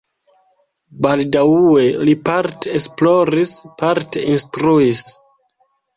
Baldaŭe li parte esploris, parte instruis.